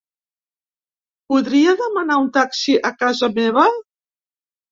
Podria demanar un taxi a casa meva?